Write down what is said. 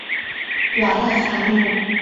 瓦勒海姆。